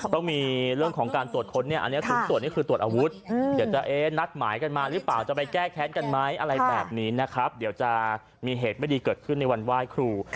ต้องมีเรื่องของการตรวจค้นเนี่ยอันนี้คุณตรวจนี่คือตรวจอาวุธเดี๋ยวจะเอ๊ะนัดหมายกันมาหรือเปล่าจะไปแก้แค้นกันไหมอะไรแบบนี้นะครับเดี๋ยวจะมีเหตุไม่ดีเกิดขึ้นในวันไหว้ครู